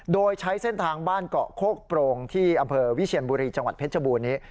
โดยใช้เส้นทางบ้านเกาะโคกโปรงที่อำเภอวิเชียนบุรีจังหวัดเพชรบูรณ์นี้